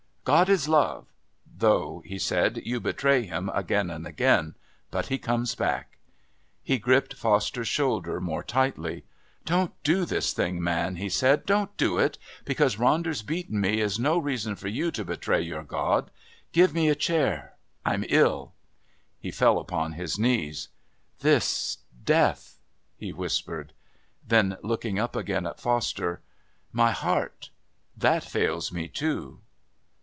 "God is love, though," he said. "You betray Him again and again, but He comes back." He gripped Foster's shoulder more tightly. "Don't do this thing, man," he said. "Don't do it. Because Ronder's beaten me is no reason for you to betray your God.... Give me a chair. I'm ill." He fell upon his knees. "This...Death," he whispered. Then, looking up again at Foster, "My heart. That fails me too."